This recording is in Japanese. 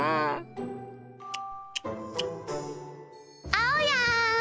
・あおやん！